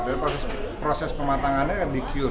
jadi proses pematangannya akan di cure